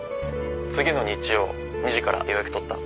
次の日曜２時から予約取った。